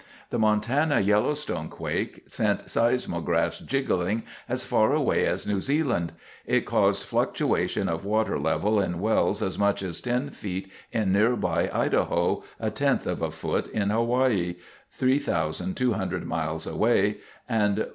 The Montana Yellowstone quake sent seismographs jiggling as far away as New Zealand. It caused fluctuation of water level in wells as much as ten feet in nearby Idaho, a tenth of a foot in Hawaii, 3,200 miles away, and